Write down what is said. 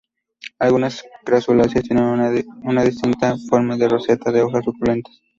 Algunas crasuláceas tienen una distintiva forma de roseta de hojas suculentas.